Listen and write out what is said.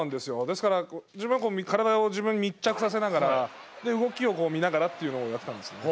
ですから自分は体を自分に密着させながら動きを見ながらっていうのをやってたんですね。